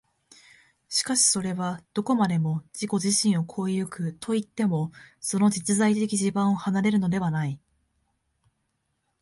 しかしそれはどこまでも自己自身を越え行くといっても、その実在的地盤を離れるのではない。